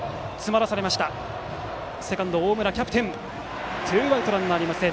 セカンド、大村がさばいてツーアウト、ランナーありません。